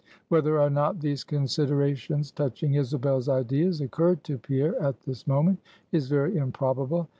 Whether or not these considerations touching Isabel's ideas occurred to Pierre at this moment is very improbable.